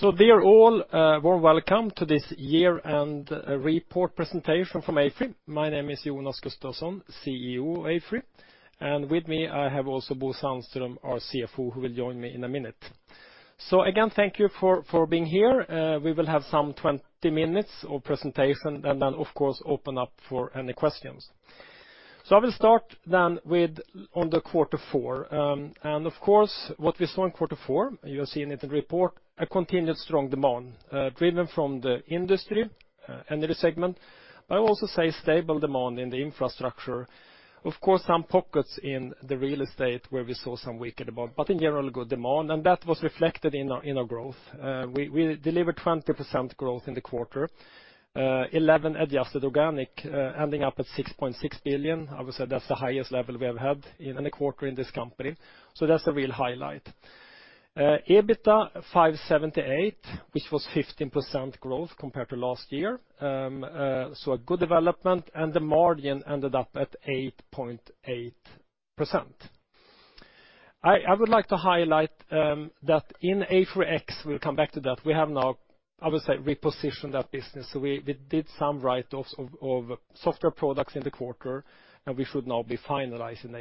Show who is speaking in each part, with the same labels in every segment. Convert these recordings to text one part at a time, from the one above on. Speaker 1: Dear all, warm welcome to this year-end report presentation from AFRY. My name is Jonas Gustavsson, CEO of AFRY. With me, I have also Bo Sandström, our CFO, who will join me in a minute. Again, thank you for being here. We will have some 20 minutes of presentation and then of course open up for any questions. I will start then with on the Q4. Of course, what we saw in Q4, you have seen it in the report, a continued strong demand, driven from the industry, Energy segment, but I will also say stable demand in the Infrastructure. Of course, some pockets in the real estate where we saw some weaker demand, but in general, good demand. That was reflected in our, in our growth. We delivered 20% growth in the quarter, 11% adjusted organic, ending up at 6.6 billion. Obviously, that's the highest level we have had in any quarter in this company. That's a real highlight. EBITDA 578 million, which was 15% growth compared to last year. A good development, and the margin ended up at 8.8%. I would like to highlight that in AFRY X, we'll come back to that, we have now, I would say, repositioned that business. We did some write-offs of software products in the quarter, and we should now be finalizing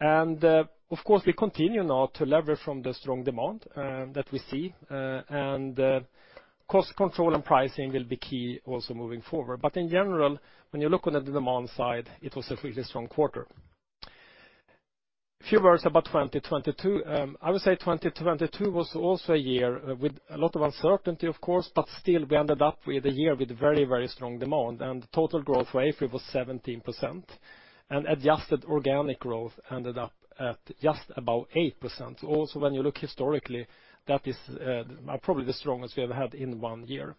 Speaker 1: AFRY X. Of course, we continue now to leverage from the strong demand that we see, and cost control and pricing will be key also moving forward. In general, when you look on the demand side, it was a really strong quarter. A few words about 2022. I would say 2022 was also a year with a lot of uncertainty, of course, but still we ended up with a year with very, very strong demand. Total growth for AFRY was 17%. Adjusted organic growth ended up at just about 8%. Also, when you look historically, that is probably the strongest we have had in one year.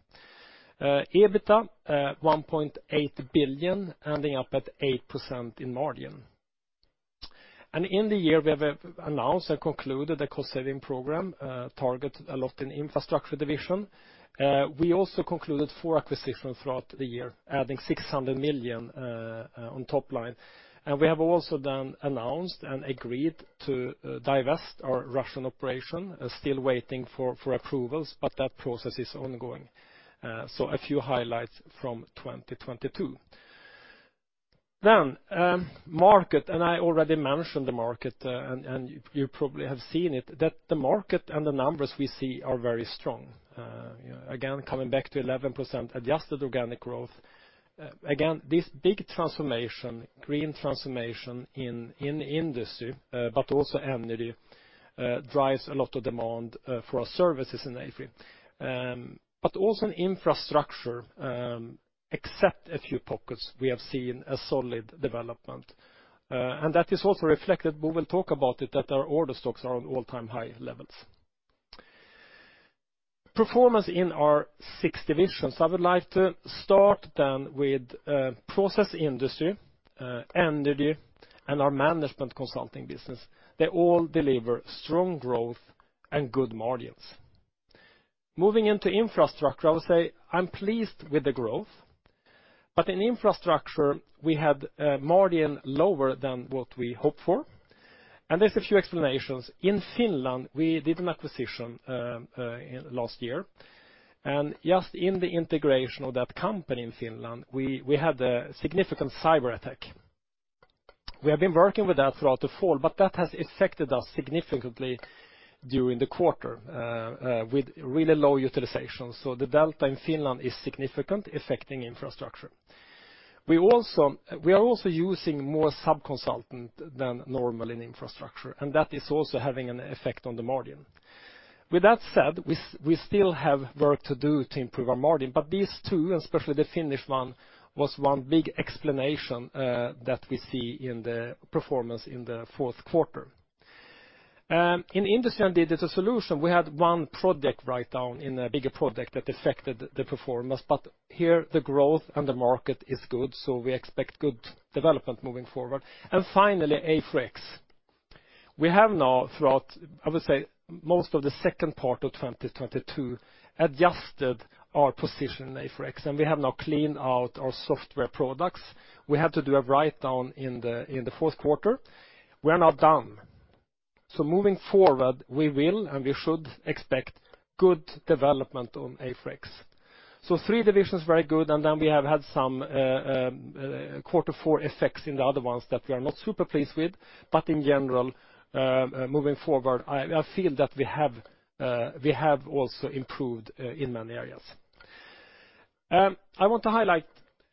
Speaker 1: EBITDA, 1.8 billion, ending up at 8% in margin. In the year, we have announced and concluded a cost-saving program, targeted a lot in Infrastructure division. We also concluded four acquisitions throughout the year, adding 600 million on top line. We have also then announced and agreed to divest our Russian operation, still waiting for approvals, but that process is ongoing. A few highlights from 2022. Market, and I already mentioned the market, and you probably have seen it, that the market and the numbers we see are very strong. Coming back to 11% adjusted organic growth. This big transformation, green transformation in industry, but also Energy, drives a lot of demand for our services in AFRY. Also in Infrastructure, except a few pockets, we have seen a solid development. That is also reflected, Bo will talk about it, that our order stocks are on all-time high levels. Performance in our six divisions. I would like to start then with Process Industries, Energy, and our Management Consulting business. They all deliver strong growth and good margins. Moving into Infrastructure, I would say I'm pleased with the growth, but in Infrastructure, we had a margin lower than what we hoped for, and there's a few explanations. In Finland, we did an acquisition last year, and just in the integration of that company in Finland, we had a significant cyberattack. We have been working with that throughout the fall, but that has affected us significantly during the quarter with really low utilization. The delta in Finland is significant, affecting Infrastructure. We are also using more sub-consultant than normal in Infrastructure, and that is also having an effect on the margin. With that said, we still have work to do to improve our margin, these two, especially the Finnish one, was one big explanation that we see in the performance in the fourth quarter. In industry and digital solution, we had one project write-down in a bigger project that affected the performance. Here the growth and the market is good, we expect good development moving forward. Finally, AFRY X. We have now throughout, I would say, most of the second part of 2022, adjusted our position in AFRY X, we have now cleaned out our software products. We had to do a write-down in the fourth quarter. We are now done. Moving forward, we will, we should expect good development on AFRY X. Three divisions very good, and then we have had some quarter four effects in the other ones that we are not super pleased with. In general, moving forward, I feel that we have also improved in many areas. I want to highlight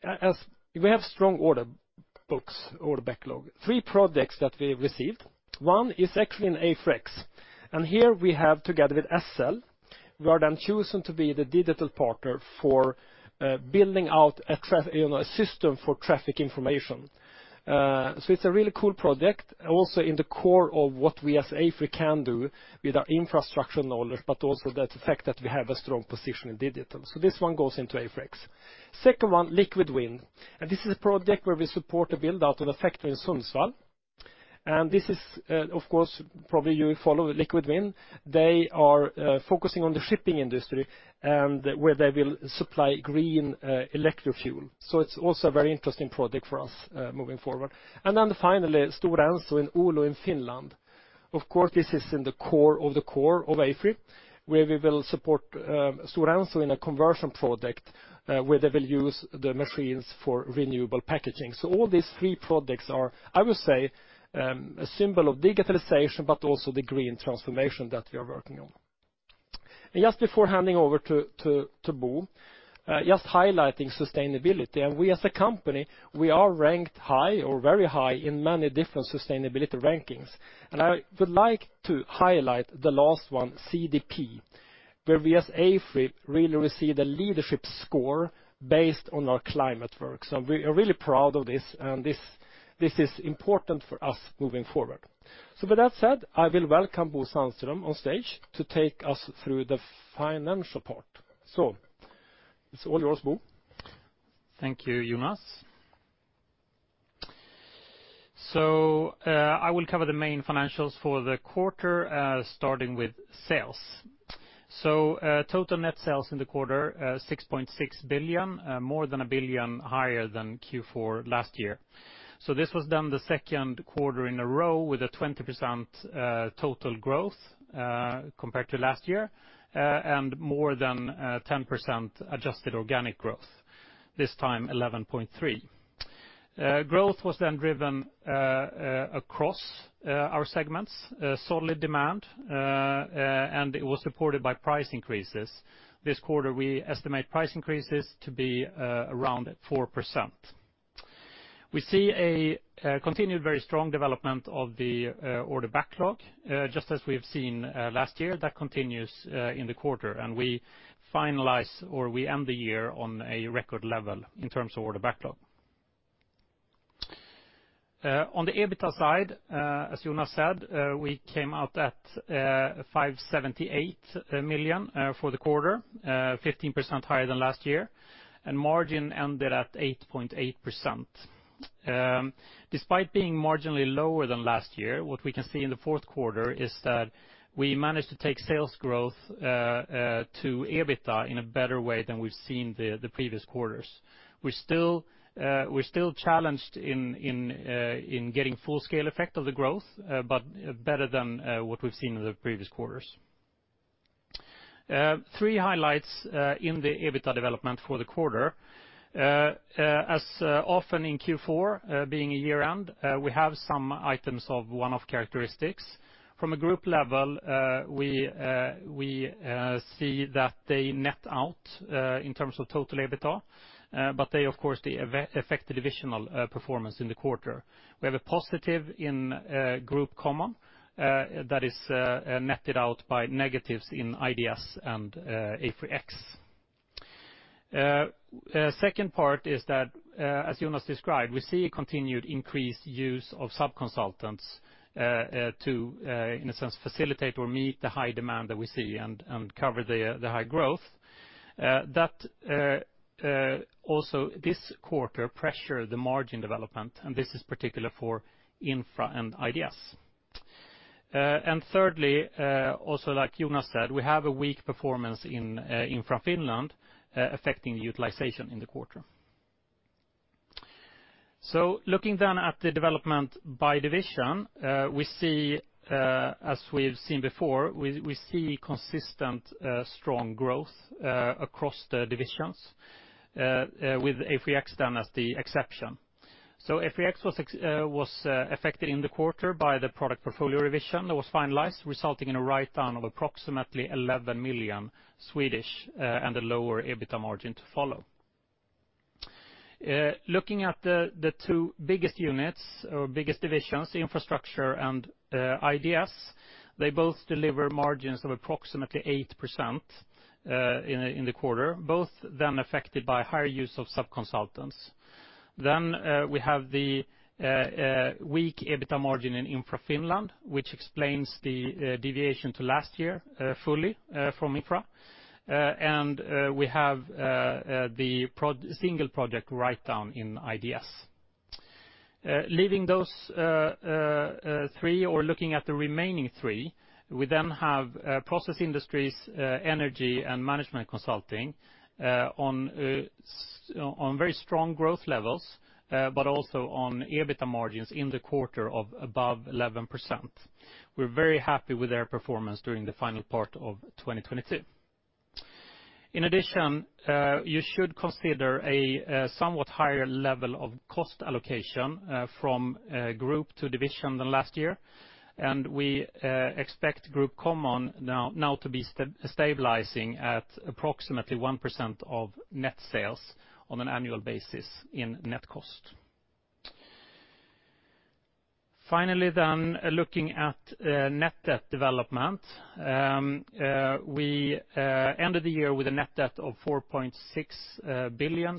Speaker 1: as we have strong order books or backlog, three projects that we received. One is actually in AFRY X. Here we have together with SL, we are then chosen to be the digital partner for building out a you know, a system for traffic information. It's a really cool project, also in the core of what we as AFRY can do with our infrastructure knowledge, but also the fact that we have a strong position in digital. This one goes into AFRY X. Second one, Liquid Wind, this is a project where we support the build-out of a factory in Sundsvall. This is, of course, probably you follow Liquid Wind. They are focusing on the shipping industry and where they will supply green electrofuel. It's also a very interesting project for us moving forward. Finally, Stora Enso in Oulu in Finland. Of course, this is in the core of the core of AFRY, where we will support Stora Enso in a conversion project where they will use the machines for renewable packaging. All these three projects are, I would say, a symbol of digitalization, but also the green transformation that we are working on. Just before handing over to Bo, just highlighting sustainability. We as a company, we are ranked high or very high in many different sustainability rankings. I would like to highlight the last one, CDP, where we as AFRY really received a leadership score based on our climate work. We are really proud of this, and this is important for us moving forward. With that said, I will welcome Bo Sandström on stage to take us through the financial part. It's all yours, Bo.
Speaker 2: Thank you, Jonas. I will cover the main financials for the quarter, starting with sales. Total net sales in the quarter, 6.6 billion, more than 1 billion higher than Q4 last year. This was then the second quarter in a row with a 20% total growth compared to last year, and more than 10% adjusted organic growth, this time 11.3%. Growth was then driven across our segments, solid demand, and it was supported by price increases. This quarter, we estimate price increases to be around 4%. We see a continued very strong development of the order backlog, just as we have seen last year, that continues in the quarter. We finalize or we end the year on a record level in terms of order backlog. On the EBITDA side, as Jonas said, we came out at 578 million for the quarter, 15% higher than last year, and margin ended at 8.8%. Despite being marginally lower than last year, what we can see in the fourth quarter is that we managed to take sales growth to EBITDA in a better way than we've seen the previous quarters. We're still challenged in getting full scale effect of the growth, but better than what we've seen in the previous quarters. Three highlights in the EBITDA development for the quarter. As often in Q4, being a year-end, we have some items of one-off characteristics. From a group level, we see that they net out in terms of total EBITDA, but they of course effect the divisional performance in the quarter. We have a positive in Group Common that is netted out by negatives in IDS and AFRY X. Second part is that as Jonas described, we see a continued increased use of sub-consultants to in a sense facilitate or meet the high demand that we see and cover the high growth. That also this quarter pressure the margin development, and this is particular for Infra and IDS. Thirdly, also like Jonas said, we have a weak performance in Infra Finland, affecting the utilization in the quarter. Looking then at the development by division, we see, as we've seen before, we see consistent strong growth across the divisions, with AFRY X then as the exception. AFRY X was affected in the quarter by the product portfolio revision that was finalized, resulting in a write-down of approximately 11 million and a lower EBITDA margin to follow. Looking at the two biggest units or biggest divisions, Infrastructure and IDS, they both deliver margins of approximately 8% in the quarter, both then affected by higher use of sub-consultants. We have the weak EBITDA margin in Infra Finland, which explains the deviation to last year fully from Infra. We have the single project write-down in IDS. Leaving those three or looking at the remaining three, we have Process Industries, Energy, and Management Consulting on very strong growth levels, but also on EBITDA margins in the quarter of above 11%. We're very happy with their performance during the final part of 2022. In addition, you should consider a somewhat higher level of cost allocation from group to division than last year. We expect Group Common to be stabilizing at approximately 1% of net sales on an annual basis in net cost. Finally, looking at net debt development, we ended the year with a net debt of 4.6 billion,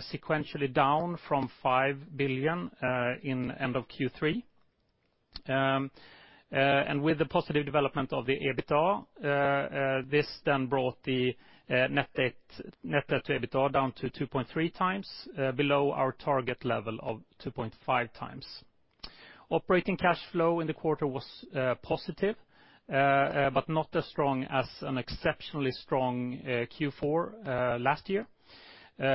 Speaker 2: sequentially down from 5 billion in end of Q3. With the positive development of the EBITDA, this then brought the net debt to EBITDA down to 2.3x below our target level of 2.5x. Operating cash flow in the quarter was positive but not as strong as an exceptionally strong Q4 last year,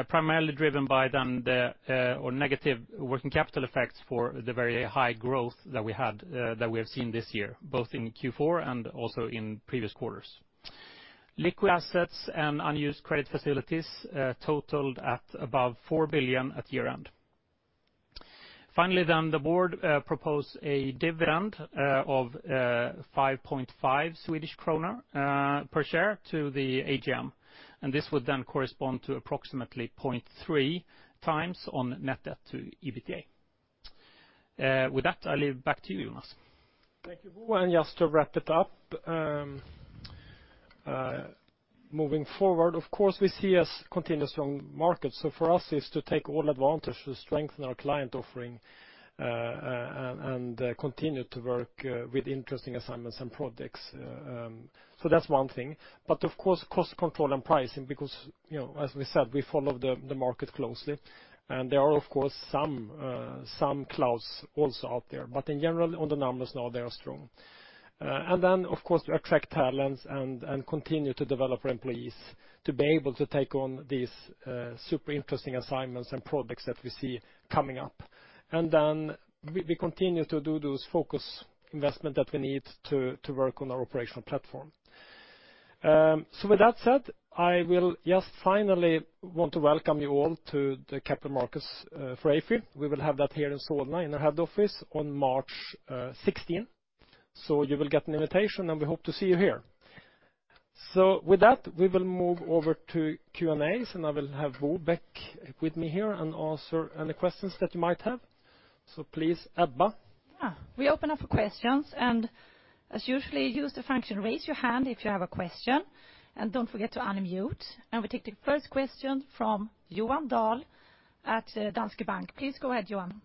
Speaker 2: primarily driven by then the or negative working capital effects for the very high growth that we have seen this year, both in Q4 and also in previous quarters. Liquid assets and unused credit facilities totaled at above 4 billion at year-end. Finally, then the board proposed a dividend of 5.5 Swedish kronor per share to the AGM, this would then correspond to approximately 0.3x on net debt to EBITDA. With that, I leave back to you, Jonas.
Speaker 1: Thank you, Bo. Just to wrap it up, moving forward, of course, we see a continuous strong market. For us it's to take all advantage to strengthen our client offering, and continue to work with interesting assignments and projects. That's one thing. Of course, cost control and pricing, because, you know, as we said, we follow the market closely, and there are of course some clouds also out there. In general, on the numbers now, they are strong. Then of course, to attract talents and continue to develop our employees to be able to take on these super interesting assignments and projects that we see coming up. Then we continue to do those focus investment that we need to work on our operational platform. With that said, I will just finally want to welcome you all to the Capital Markets for AFRY. We will have that here in Solna, in our head office on March 16th. You will get an invitation, and we hope to see you here. With that, we will move over to Q&As, and I will have Bo back with me here and answer any questions that you might have. Please, Ebba.
Speaker 3: Yeah. We open up for questions, and as usually, use the function raise your hand if you have a question, and don't forget to unmute. We take the first question from Johan Dahl at Danske Bank. Please go ahead, Johan.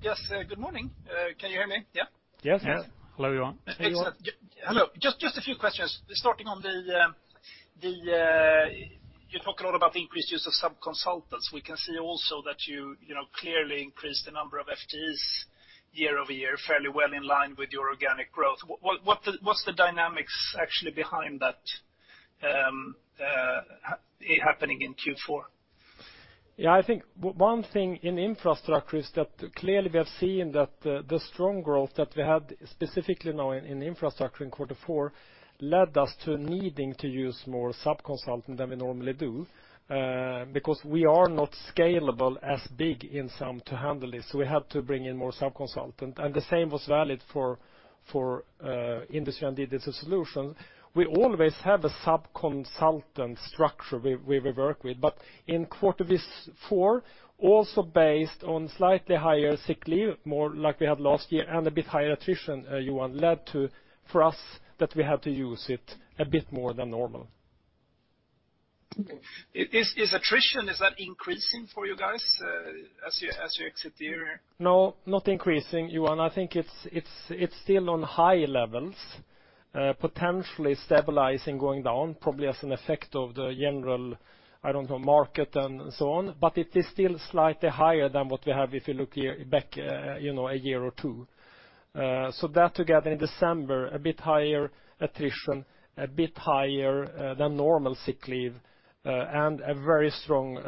Speaker 4: Yes. Good morning. Can you hear me? Yeah?
Speaker 1: Yes. Yeah. Hello, Johan.
Speaker 4: Hello. Just a few questions. Starting on the, you talk a lot about the increased use of sub-consultants. We can see also that you know, clearly increased the number of FTEs year-over-year, fairly well in line with your organic growth. What the, what's the dynamics actually behind that, happening in Q4?
Speaker 1: I think one thing in Infrastructure is that clearly we have seen that the strong growth that we had specifically now in Infrastructure in quarter four led us to needing to use more sub-consultant than we normally do because we are not scalable as big in some to handle this, so we had to bring in more sub-consultant. The same was valid for industry and digital solutions. We always have a sub-consultant structure we will work with. In quarter this, four, also based on slightly higher sick leave, more like we had last year, and a bit higher attrition, Johan, led to, for us, that we had to use it a bit more than normal.
Speaker 4: Is attrition, is that increasing for you guys, as you exit the year?
Speaker 1: No, not increasing, Johan. I think it's still on high levels, potentially stabilizing going down probably as an effect of the general, I don't know, market and so on. It is still slightly higher than what we have if you look year, back, you know, a year or two. That together in December, a bit higher attrition, a bit higher than normal sick leave, and a very strong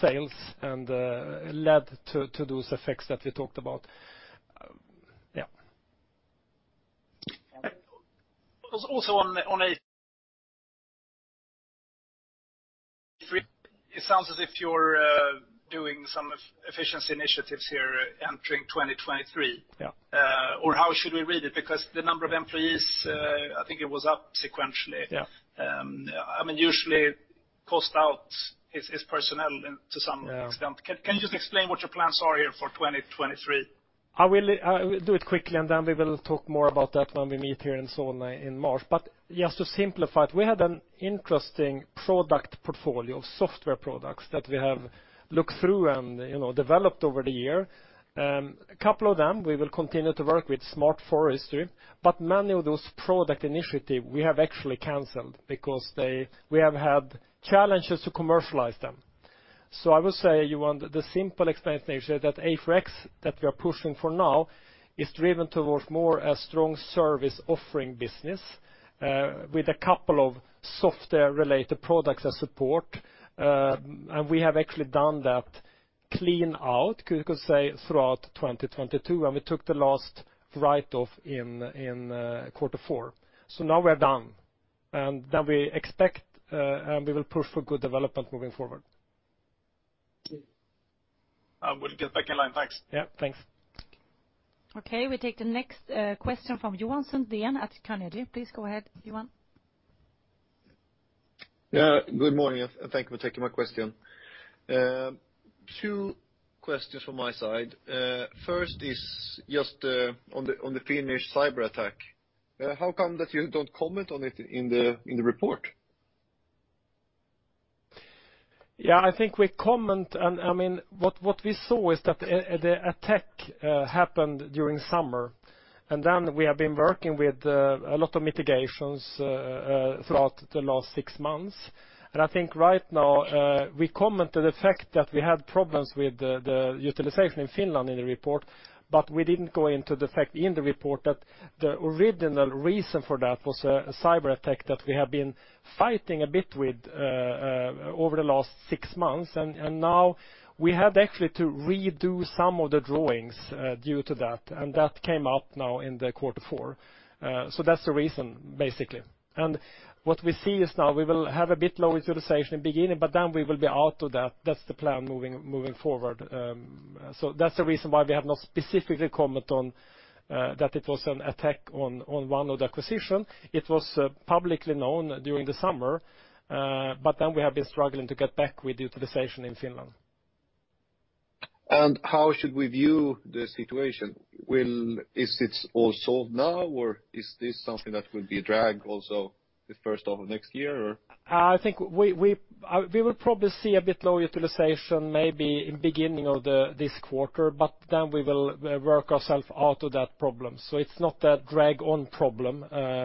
Speaker 1: sales and led to those effects that we talked about. Yeah.
Speaker 4: Also on a
Speaker 1: It sounds as if you're doing some efficiency initiatives here entering 2023.
Speaker 4: Yeah.
Speaker 1: How should we read it? The number of employees, I think it was up sequentially.
Speaker 4: Yeah.
Speaker 1: I mean, usually cost out is personnel to some extent.
Speaker 4: Yeah. Can you just explain what your plans are here for 2023?
Speaker 1: I will do it quickly, then we will talk more about that when we meet here in Solna in March. Just to simplify it, we had an interesting product portfolio of software products that we have looked through and, you know, developed over the year. A couple of them we will continue to work with Smart Forestry, but many of those product initiative we have actually canceled because we have had challenges to commercialize them. I would say, Johan, the simple explanation is that AFRY X that we are pushing for now is driven towards more a strong service offering business with a couple of software-related products and support. We have actually done that clean out, you could say, throughout 2022, and we took the last write-off in Q4. Now we're done, we expect, and we will push for good development moving forward.
Speaker 4: I will get back in line. Thanks. Thanks.
Speaker 3: We take the next question from Johan Sundén at Carnegie. Please go ahead, Johan.
Speaker 5: Good morning, thank you for taking my question. Two questions from my side. First is just on the Finnish cyberattack. How come that you don't comment on it in the report?
Speaker 1: I mean, what we saw is that the attack happened during summer, and then we have been working with a lot of mitigations throughout the last six months. I think right now, we commented the fact that we had problems with the utilization in Finland in the report, but we didn't go into the fact in the report that the original reason for that was a cyberattack that we have been fighting a bit with over the last six months. Now we had actually to redo some of the drawings due to that, and that came out now in the quarter four. That's the reason, basically. What we see is now we will have a bit low utilization in the beginning, but then we will be out of that. That's the plan moving forward. That's the reason why we have no specifically comment on that it was an attack on one of the acquisition. It was publicly known during the summer, but then we have been struggling to get back with utilization in Finland.
Speaker 5: How should we view the situation? Is it all solved now, or is this something that will be a drag also the first of next year or?
Speaker 1: I think we will probably see a bit low utilization maybe in beginning of the this quarter. We will work ourself out of that problem. It's not a drag-on problem.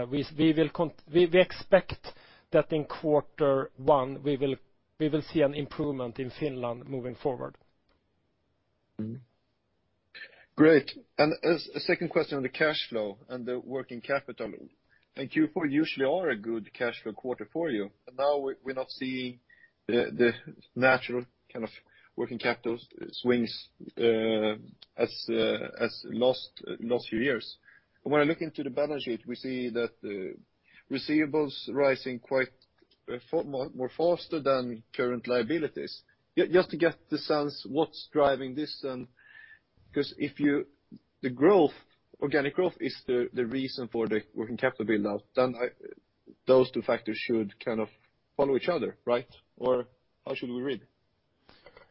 Speaker 1: We expect that in quarter one, we will see an improvement in Finland moving forward.
Speaker 5: Great. As a second question on the cash flow and the working capital. Q4 usually are a good cash flow quarter for you, but now we're not seeing the natural kind of working capital swings, as last few years. When I look into the balance sheet, we see that the receivables rising quite more faster than current liabilities. Just to get the sense what's driving this then, 'cause if the growth, organic growth is the reason for the working capital build out, then those two factors should kind of follow each other, right? How should we read?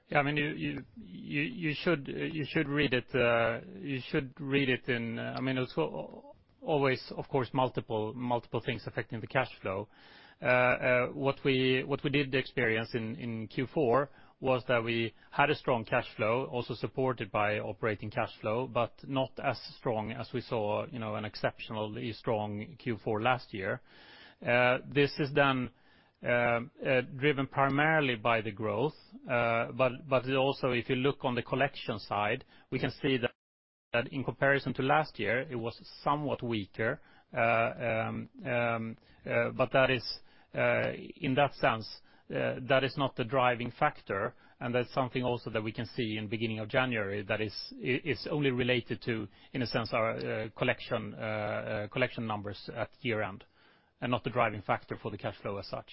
Speaker 2: Yeah, I mean, you should read it in. I mean, there's always, of course, multiple things affecting the cash flow. What we did experience in Q4 was that we had a strong cash flow, also supported by operating cash flow, but not as strong as we saw, you know, an exceptionally strong Q4 last year. This is then driven primarily by the growth, but also if you look on the collection side.
Speaker 5: Yes
Speaker 2: We can see that in comparison to last year, it was somewhat weaker. That is in that sense that is not the driving factor, and that's something also that we can see in the beginning of January that is only related to, in a sense, our collection numbers at year-end and not the driving factor for the cash flow as such.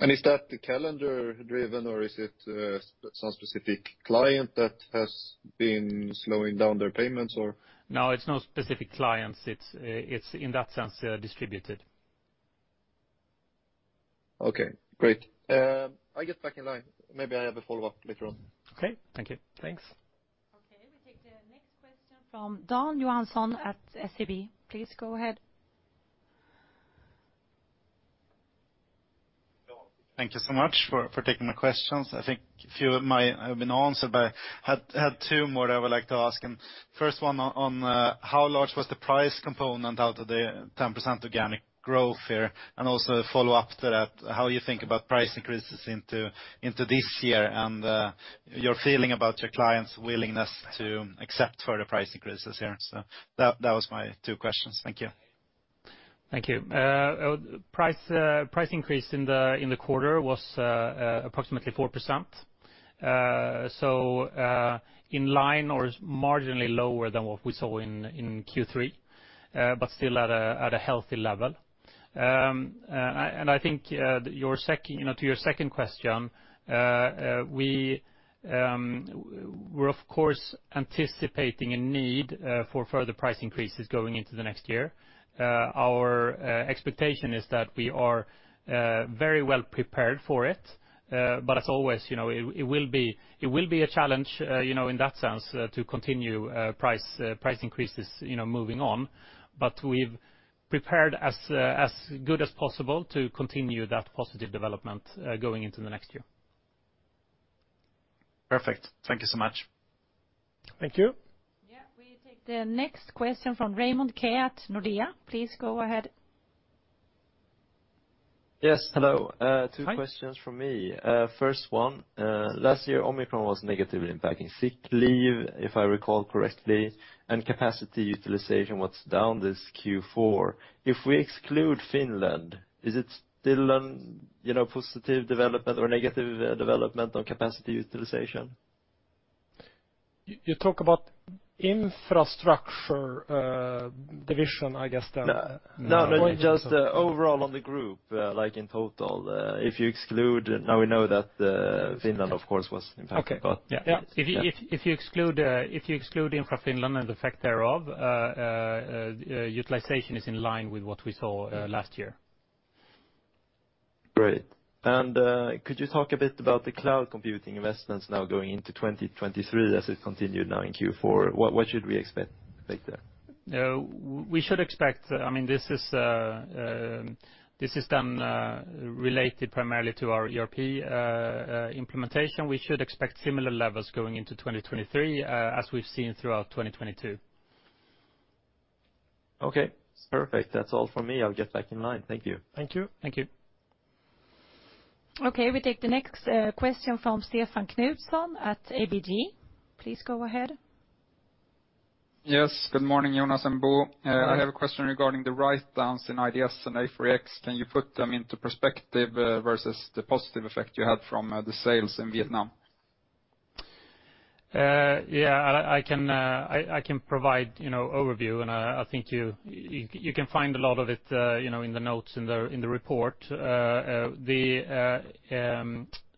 Speaker 5: Is that calendar-driven or is it, some specific client that has been slowing down their payments or?
Speaker 2: No, it's no specific clients. It's, it's in that sense, distributed.
Speaker 5: Okay, great. I get back in line. Maybe I have a follow-up later on.
Speaker 2: Okay, thank you.
Speaker 5: Thanks.
Speaker 3: We take the next question from Dan Johansson at SEB. Please go ahead.
Speaker 6: Thank you so much for taking my questions. I think a few of mine have been answered, but I had two more that I would like to ask. First one on how large was the price component out of the 10% organic growth here? Also a follow-up to that, how you think about price increases into this year and your feeling about your clients' willingness to accept further price increases here? That was my two questions. Thank you.
Speaker 2: Thank you. Price increase in the quarter was approximately 4%. In line or marginally lower than what we saw in Q3, but still at a healthy level. I think, your second, you know, to your second question, we're of course anticipating a need for further price increases going into the next year. Our expectation is that we are very well prepared for it. As always, you know, it will be a challenge, you know, in that sense, to continue price increases, you know, moving on. We've prepared as good as possible to continue that positive development going into the next year.
Speaker 6: Perfect. Thank you so much.
Speaker 1: Thank you.
Speaker 3: Yeah. We take the next question from Raymond Ke at Nordea. Please go ahead.
Speaker 7: Yes, hello.
Speaker 1: Hi.
Speaker 7: Two questions from me. First one, last year, Omicron was negatively impacting sick leave, if I recall correctly, and capacity utilization was down this Q4. If we exclude Finland, is it still an, you know, positive development or negative development on capacity utilization?
Speaker 1: You talk about Infrastructure, division, I guess then.
Speaker 7: No. No, I mean just overall on the group, like in total, Now we know that, Finland of course was impacted, but...
Speaker 1: Okay. Yeah. Yeah. If you exclude Infra Finland and the effect thereof, utilization is in line with what we saw last year.
Speaker 7: Great. Could you talk a bit about the cloud computing investments now going into 2023 as it continued now in Q4? What should we expect, like, there?
Speaker 1: No, we should expect, I mean, this is done related primarily to our ERP implementation. We should expect similar levels going into 2023 as we've seen throughout 2022.
Speaker 7: Okay. Perfect. That's all for me. I'll get back in line. Thank you.
Speaker 1: Thank you.
Speaker 3: Thank you. Okay, we take the next question from Stefan Knutsson at ABG. Please go ahead.
Speaker 8: Good morning, Jonas and Bo.
Speaker 1: Good morning.
Speaker 8: I have a question regarding the writedowns in IDS and AFRY X. Can you put them into perspective versus the positive effect you had from the sales in Vietnam?
Speaker 1: Yeah, I can provide, you know, overview, and I think you can find a lot of it, you know, in the notes in the report.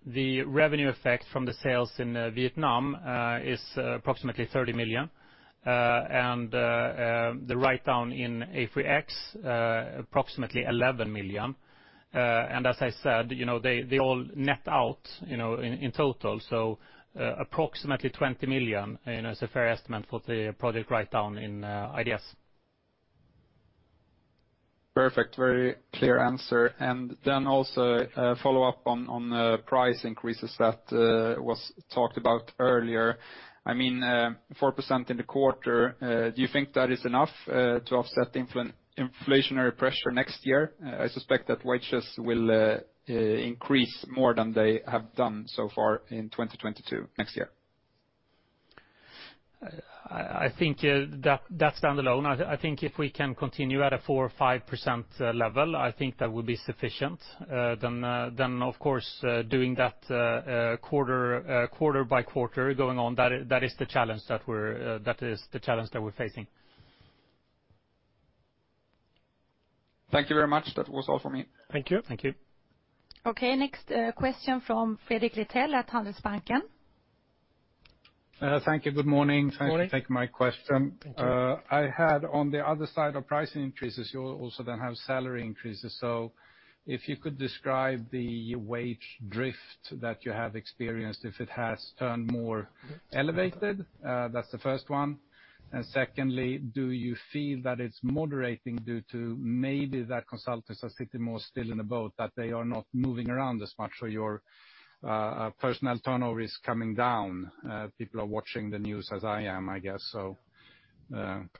Speaker 1: The revenue effect from the sales in Vietnam is approximately 30 million. The writedown in AFRY X, approximately 11 million. As I said, you know, they all net out, you know, in total. Approximately 20 million, you know, is a fair estimate for the project writedown in IDS.
Speaker 8: Perfect. Very clear answer. Then also a follow-up on the price increases that was talked about earlier. I mean, 4% in the quarter, do you think that is enough to offset inflationary pressure next year? I suspect that wages will increase more than they have done so far in 2022 next year.
Speaker 1: I think that standalone, I think if we can continue at a 4% or 5% level, I think that will be sufficient. Of course, doing that, quarter by quarter going on, that is the challenge that we're facing.
Speaker 8: Thank you very much. That was all for me.
Speaker 1: Thank you.
Speaker 2: Thank you.
Speaker 3: Okay, next, question from Fredrik Lithell at Handelsbanken.
Speaker 9: Thank you. Good morning.
Speaker 1: Morning.
Speaker 9: Thank you for taking my question.
Speaker 1: Thank you.
Speaker 9: I had on the other side of pricing increases, you also then have salary increases. If you could describe the wage drift that you have experienced, if it has turned more elevated? That's the first one. Secondly, do you feel that it's moderating due to maybe that consultants are sitting more still in the boat, that they are not moving around as much, so your personnel turnover is coming down? People are watching the news as I am, I guess.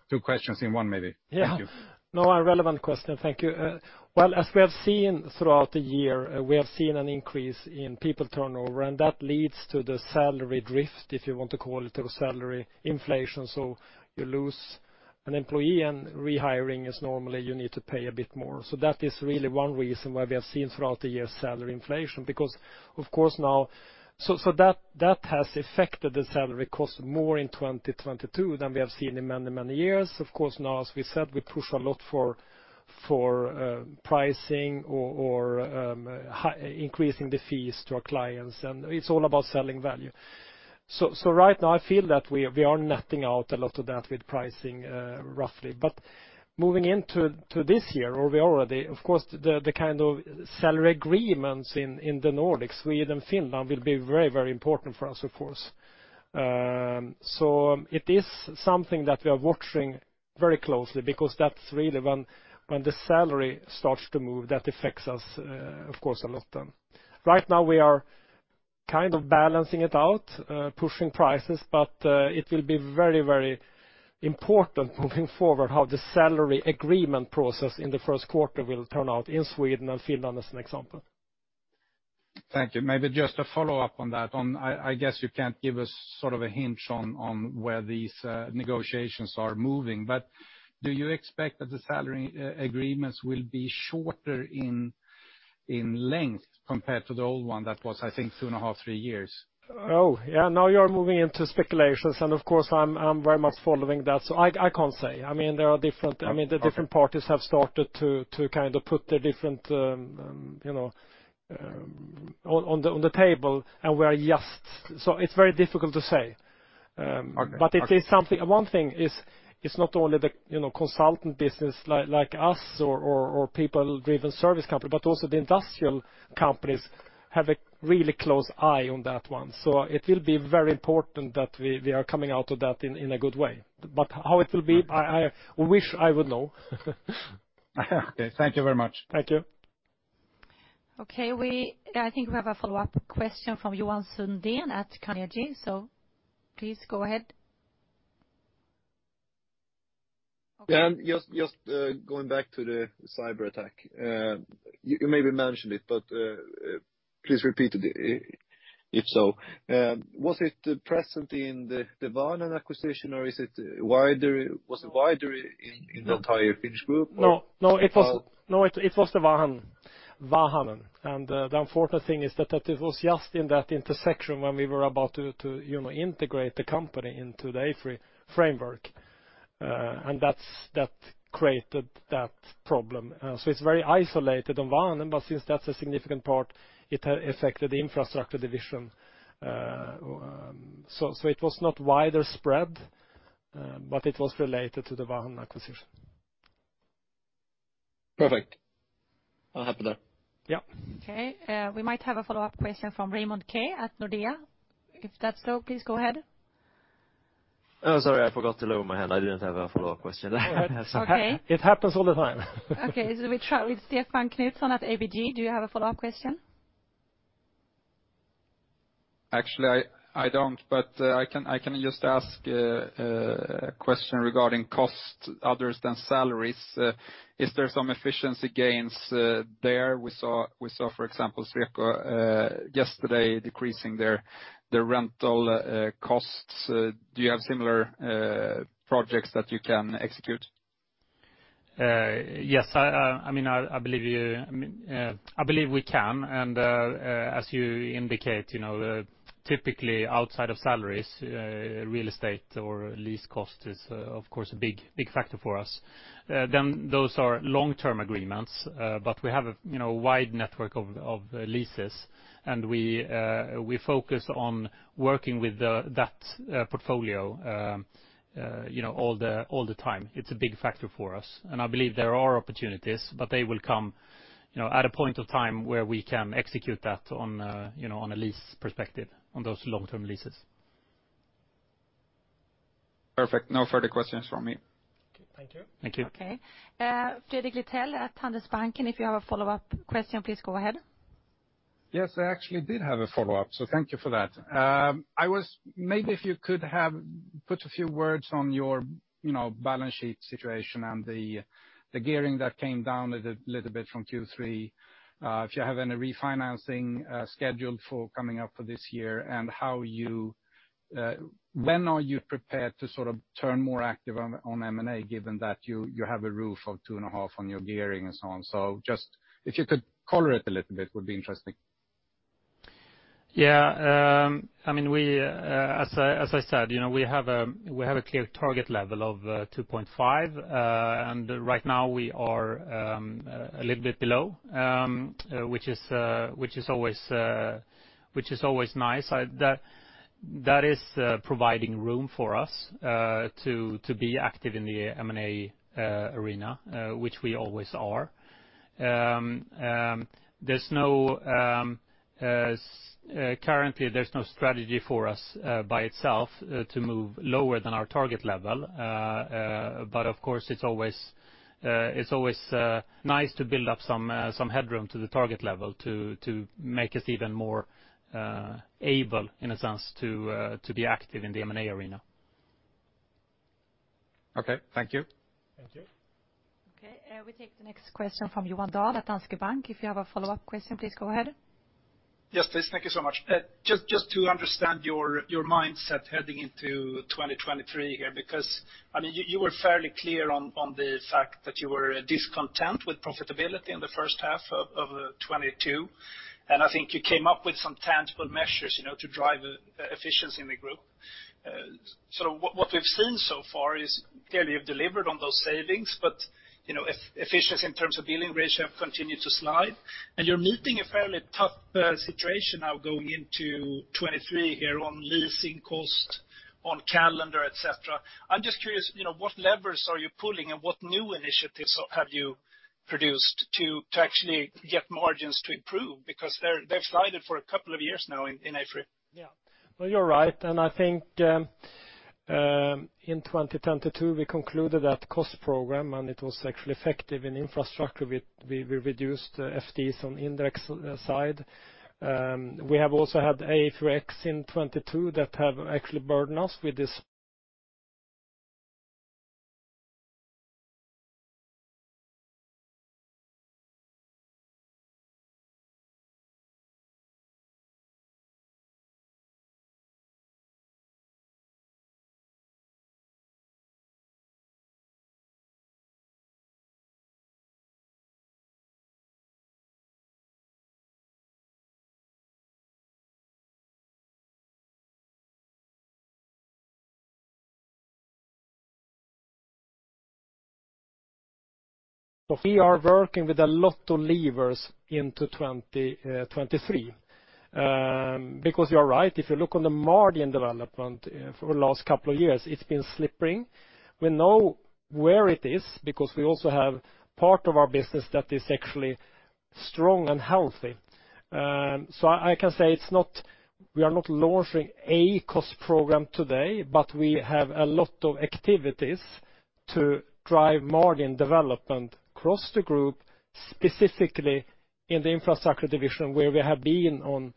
Speaker 9: Two questions in one maybe. Thank you.
Speaker 1: Yeah. No, a relevant question. Thank you. Well, as we have seen throughout the year, we have seen an increase in people turnover, and that leads to the salary drift, if you want to call it, or salary inflation. You lose an employee, and rehiring is normally you need to pay a bit more. That is really one reason why we have seen throughout the year salary inflation. Of course that has affected the salary cost more in 2022 than we have seen in many years. Of course now, as we said, we push a lot for pricing or increasing the fees to our clients, and it's all about selling value. Right now I feel that we are netting out a lot of that with pricing, roughly. Moving into this year or we are already, of course, the kind of salary agreements in the Nordics, Sweden, Finland, will be very important for us, of course. So it is something that we are watching very closely because that's really when the salary starts to move, that affects us, of course a lot then. Right now we are kind of balancing it out, pushing prices, but it will be very important moving forward how the salary agreement process in the first quarter will turn out in Sweden and Finland as an example.
Speaker 9: Thank you. Maybe just a follow-up on that. I guess you can't give us sort of a hint on where these negotiations are moving. Do you expect that the salary agreements will be shorter in length compared to the old one that was, I think, two and a half-three years?
Speaker 1: Oh, yeah. Now you're moving into speculations, and of course I'm very much following that, so I can't say. I mean, there are.
Speaker 9: Okay.
Speaker 1: I mean, the different parties have started to kind of put their different, you know, on the, on the table. It's very difficult to say.
Speaker 9: Okay. Okay.
Speaker 1: One thing is, it's not only the, you know, consultant business like us or people-driven service company, but also the industrial companies have a really close eye on that one. It will be very important that we are coming out of that in a good way. How it will be, I wish I would know.
Speaker 9: Okay. Thank you very much.
Speaker 1: Thank you.
Speaker 3: Okay. We, I think we have a follow-up question from Johan Sundén at Carnegie. Please go ahead.
Speaker 5: Just going back to the cyberattack. You maybe mentioned it, but please repeat it if so. Was it present in the Vahanen acquisition, or is it wider? Was it wider in the entire Finnish group?
Speaker 1: No. No, it was-
Speaker 5: How-
Speaker 1: No, it was the Vahanen. The unfortunate thing is that it was just in that intersection when we were about to, you know, integrate the company into the AFRY framework. That created that problem. It's very isolated on Vahanen, but since that's a significant part, it affected the Infrastructure division. It was not wider spread, but it was related to the Vahanen acquisition.
Speaker 5: Perfect. I'll have it there.
Speaker 1: Yeah.
Speaker 3: Okay, we might have a follow-up question from Raymond Ke at Nordea. If that's so, please go ahead.
Speaker 7: Oh, sorry, I forgot to lower my hand. I didn't have a follow-up question.
Speaker 1: It happens all the time.
Speaker 3: Okay, we try with Stefan Knutsson at ABG. Do you have a follow-up question?
Speaker 8: Actually, I don't, but I can just ask a question regarding cost other than salaries. Is there some efficiency gains there? We saw, for example, Sweco yesterday decreasing their rental costs. Do you have similar projects that you can execute?
Speaker 1: Yes. I mean, I believe you. I mean, I believe we can. As you indicate, you know, typically outside of salaries, real estate or lease cost is, of course, a big, big factor for us. Those are long-term agreements, but we have, you know, a wide network of leases, and we focus on working with that portfolio, you know, all the time. It's a big factor for us. I believe there are opportunities, but they will come, you know, at a point of time where we can execute that on, you know, on a lease perspective, on those long-term leases.
Speaker 8: Perfect. No further questions from me.
Speaker 1: Okay, thank you.
Speaker 8: Thank you.
Speaker 3: Okay. Fredrik Lithell at Handelsbanken, if you have a follow-up question, please go ahead.
Speaker 9: I actually did have a follow-up, so thank you for that. Maybe if you could have put a few words on your, you know, balance sheet situation and the gearing that came down a little bit from Q3. If you have any refinancing scheduled for coming up for this year and how you, when are you prepared to sort of turn more active on M&A, given that you have a roof of 2.5 on your gearing and so on. Just if you could color it a little bit, would be interesting.
Speaker 1: Yeah. I mean, we, as I said, you know, we have a clear target level of 2.5, right now we are a little bit below, which is always nice. That is providing room for us to be active in the M&A arena, which we always are. Currently, there's no strategy for us by itself to move lower than our target level. Of course, it's always nice to build up some headroom to the target level to make us even more able, in a sense, to be active in the M&A arena.
Speaker 9: Okay. Thank you.
Speaker 1: Thank you.
Speaker 3: We take the next question from Johan Dahl at Danske Bank. If you have a follow-up question, please go ahead.
Speaker 4: Yes, please. Thank you so much. Just to understand your mindset heading into 2023 here, because, I mean, you were fairly clear on the fact that you were discontent with profitability in the first half of 2022. I think you came up with some tangible measures, you know, to drive efficiency in the group. What we've seen so far is clearly you've delivered on those savings, but, you know, efficiency in terms of billing ratio have continued to slide. You're meeting a fairly tough situation now going into 2023 here on leasing cost, on calendar, et cetera. I'm just curious, you know, what levers are you pulling and what new initiatives have you produced to actually get margins to improve? Because they're, they've slided for a couple of years now in AFRY.
Speaker 1: Yeah. Well, you're right. I think, in 2022, we concluded that cost program, and it was actually effective in Infrastructure. We reduced FDs on index side. We have also had AFRY X in 2022 that have actually burdened us with this. We are working with a lot of levers into 2023. You are right. If you look on the margin development for the last couple of years, it's been slipping. We know where it is because we also have part of our business that is actually strong and healthy. I can say it's not, we are not launching a cost program today, but we have a lot of activities to drive margin development across the Group, specifically in the Infrastructure division, where we have been on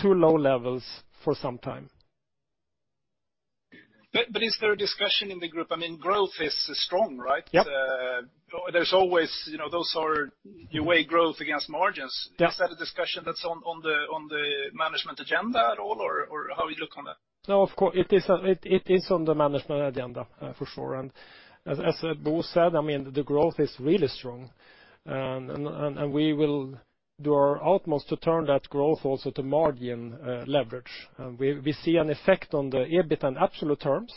Speaker 1: two low levels for some time.
Speaker 4: Is there a discussion in the group? I mean, growth is strong, right?
Speaker 1: Yep.
Speaker 4: There's always, you know, You weigh growth against margins.
Speaker 1: Yeah.
Speaker 4: Is that a discussion that's on the management agenda at all, or how do you look on that?
Speaker 1: No, of course. It is on the management agenda for sure. As Bo said, I mean, the growth is really strong. We will do our utmost to turn that growth also to margin leverage. We see an effect on the EBIT in absolute terms,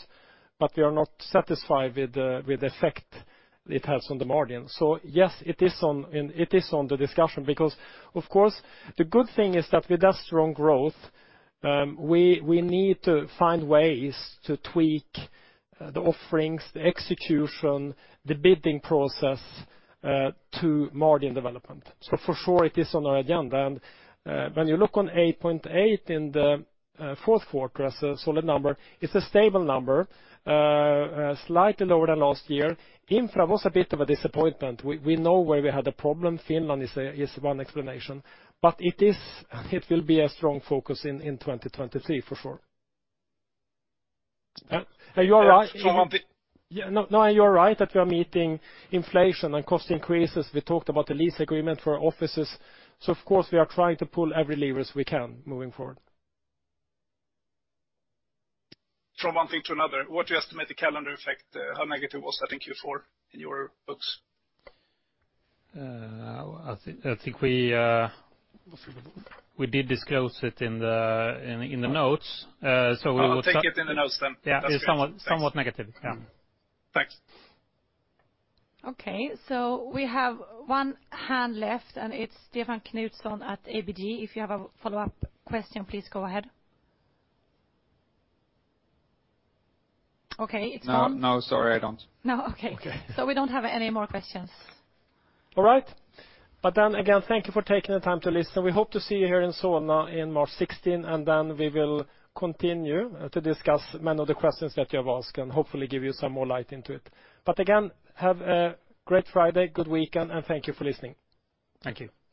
Speaker 1: but we are not satisfied with the effect it has on the margin. Yes, it is on the discussion because, of course, the good thing is that with that strong growth, we need to find ways to tweak the offerings, the execution, the bidding process to margin development. For sure it is on our agenda. When you look on 8.8 in the fourth quarter as a solid number, it's a stable number, slightly lower than last year. Infra was a bit of a disappointment. We know where we had a problem. Finland is one explanation, but it will be a strong focus in 2023 for sure.
Speaker 4: From one thing-
Speaker 1: You are right. Yeah. No, no, you are right that we are meeting inflation and cost increases. We talked about the lease agreement for our offices. Of course, we are trying to pull every levers we can moving forward.
Speaker 4: From one thing to another, what do you estimate the calendar effect, how negative was that in Q4 in your books?
Speaker 1: I think we did disclose it in the notes.
Speaker 4: I'll take it in the notes then.
Speaker 1: Yeah.
Speaker 4: That's good.
Speaker 1: It's somewhat negative. Yeah.
Speaker 4: Thanks.
Speaker 3: Okay. We have one hand left, and it's Stefan Knutsson at ABG. If you have a follow-up question, please go ahead. Okay, it's gone.
Speaker 8: No, no, sorry, I don't.
Speaker 3: No. Okay.
Speaker 8: Okay.
Speaker 3: We don't have any more questions.
Speaker 1: All right. Again, thank you for taking the time to listen. We hope to see you here in Solna in March 16, we will continue to discuss many of the questions that you have asked and hopefully give you some more light into it. Again, have a great Friday, good weekend, and thank you for listening.
Speaker 8: Thank you.
Speaker 1: Bye.